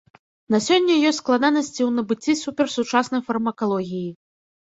На сёння ёсць складанасці ў набыцці суперсучаснай фармакалогіі.